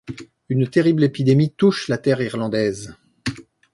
Une terrible épidémie touche la terre irlandaise.